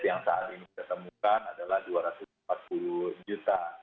yang saat ini kita temukan adalah dua ratus empat puluh juta